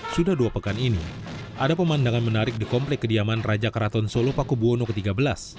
sudah dua pekan ini ada pemandangan menarik di komplek kediaman raja keraton solo paku buwono xii